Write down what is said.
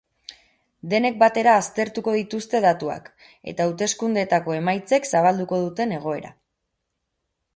Denek batera aztertuko dituzte datuak eta hauteskundeetako emaitzek zabalduko duten egoera.